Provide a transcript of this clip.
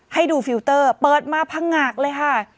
ให้ดูฟิลเตอร์เปิดมาพังงากเลยค่ะ